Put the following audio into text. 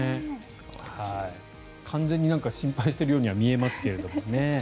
完全に心配しているようには見えますけどね。